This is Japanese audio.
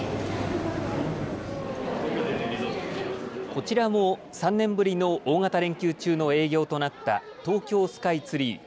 こちらも３年ぶりの大型連休中の営業となった東京スカイツリー。